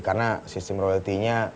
karena sistem royalty nya